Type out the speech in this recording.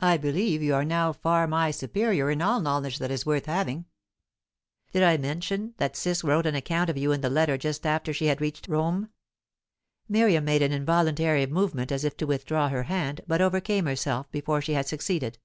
I believe you are now far my superior in all knowledge that is worth having. Did I mention that Ciss wrote an account of you in the letter just after she had reached Rome?" Miriam made an involuntary movement as if to withdraw her hand, but overcame herself before she had succeeded.